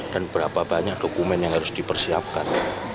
dan berapa banyak dokumen yang harus dipersiapkan